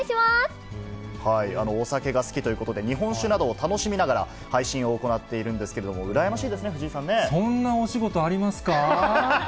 お酒が好きということで、日本酒などを楽しみながら、配信を行っているんですけれども、羨ましいですね、藤井さんね。そんなお仕事ありますか。